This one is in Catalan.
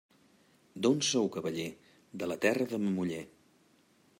D'on sou, cavaller? De la terra de ma muller.